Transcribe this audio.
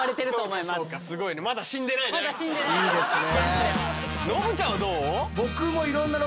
いいですね。